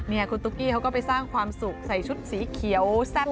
นี่คุณตุ๊กกี้เขาก็ไปสร้างความสุขใส่ชุดสีเขียวแซ่บ